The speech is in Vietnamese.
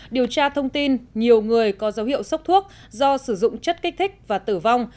điều tra thông tin nhiều người có dấu hiệu sốc thuốc do sử dụng chất kích thích và tử vong